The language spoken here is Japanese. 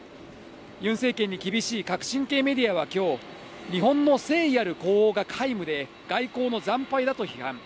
ユン政権に厳しい革新系メディアはきょう、日本の誠意ある呼応が皆無で、外交の惨敗だと批判。